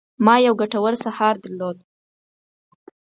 ما یو ګټور سهار درلود.